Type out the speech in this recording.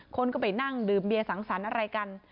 คนก็ไปนั่งดื่มเบียสังสรรค์อะไรกัน